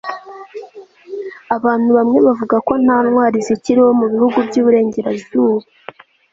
abantu bamwe bavuga ko nta ntwari zikiriho mu bihugu by'iburengerazuba